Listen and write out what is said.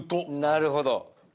なるほど。